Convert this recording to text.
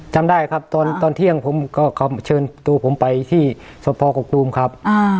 จำได้ครับตอนเที่ยงผมก็เชิญตัวผมไปที่สภกกตูมครับ